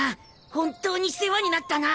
本当に世話になったな。